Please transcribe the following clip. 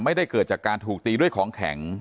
ไม่ได้เกิดจากการถูกตีด้วยของแข็ง